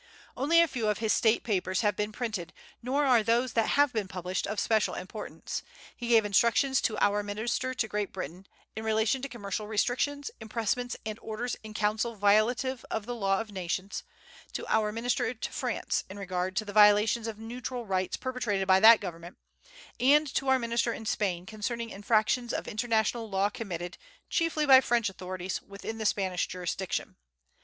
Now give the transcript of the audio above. Only a few of his State papers have been printed, nor are those that have been published of special importance. He gave instructions to our minister to Great Britain, in relation to commercial restrictions, impressments, and orders in council violative of the law of nations; to our minister to France, in regard to the violations of neutral rights perpetrated by that government; and to our minister to Spain, concerning infractions of international law committed, chiefly by French authorities, within the Spanish jurisdiction.